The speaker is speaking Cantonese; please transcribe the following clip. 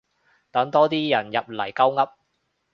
等多啲人入嚟鳩噏